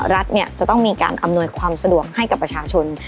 รัฐจะต้องมีการอำนวยความสะดวกให้กับประชาชน